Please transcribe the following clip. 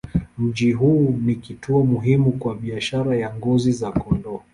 Mji huu ni kituo muhimu kwa biashara ya ngozi za kondoo.